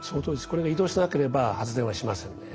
これが移動しなければ発電はしませんね。